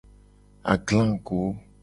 Aglago.